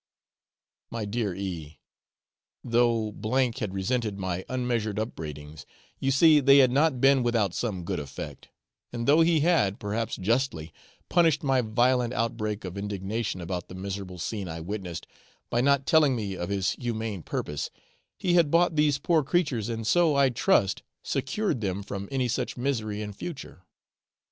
My dear E , though had resented my unmeasured upbraidings, you see they had not been without some good effect, and though he had, perhaps justly, punished my violent outbreak of indignation about the miserable scene I witnessed by not telling me of his humane purpose, he had bought these poor creatures, and so, I trust, secured them from any such misery in future.